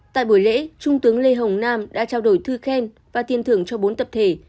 tại buổi lễ trung tướng lê hồng nam đã trao đổi thư khen và tiền thưởng cho bốn tập thể